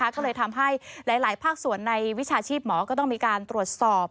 ก็เลยทำให้หลายภาคส่วนในวิชาชีพหมอก็ต้องมีการตรวจสอบ